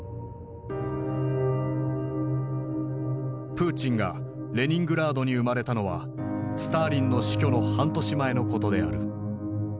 プーチンがレニングラードに生まれたのはスターリンの死去の半年前のことである。